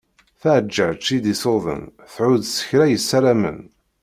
Taɛeǧǧaǧt i d-iṣuḍen thudd s kra i ssaramen.